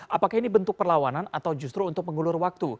apakah ini bentuk perlawanan atau justru untuk mengulur waktu